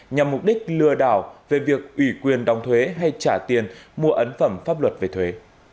nhằm mục đích lừa đảo về việc ủy quyền đóng thuế hay trả tiền mua ấn phẩm pháp luật về thuế